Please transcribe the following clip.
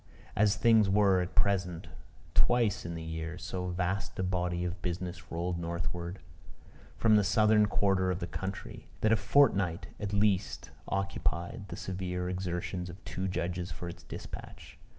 As things were at present, twice in the year so vast a body of business rolled northwards, from the southern quarter of the county, that a fortnight at least occupied the severe exertions of two judges for its dispatch.